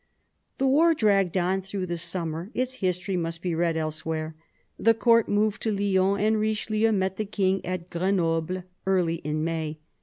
The war dragged on through the summer ; its history must be read elsewhere. The Court moved to Lyons, and Richelieu met the King at Grenoble early in May.